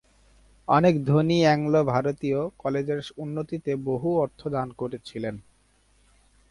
অনেক ধনী অ্যাংলো-ভারতীয় কলেজের উন্নতিতে বহু অর্থ দান করেছিলেন।